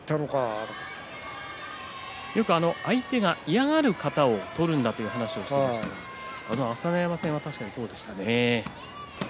相手が嫌がる型を取るんだという話をしていましたがあの朝乃山戦はそうでしたね。